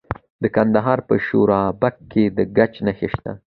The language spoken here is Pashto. د کندهار په شورابک کې د ګچ نښې شته.